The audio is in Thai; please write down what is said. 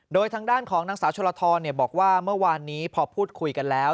โดยทางด้านของนางสาวชลทรบอกว่าเมื่อวานนี้พอพูดคุยกันแล้ว